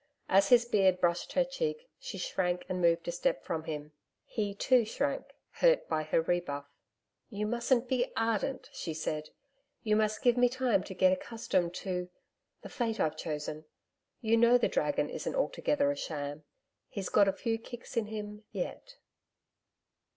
As his beard brushed her cheek, she shrank and moved a step from him. He, too, shrank, hurt by her rebuff. 'You mustn't be ardent,' she said. 'You must give me time to get accustomed to the fate I've chosen. You know the dragon isn't altogether a sham. He's got a few kicks in him yet.'